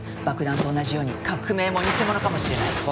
爆弾と同じように革命も偽物かもしれない。